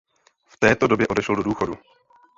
V této době odešel do důchodu.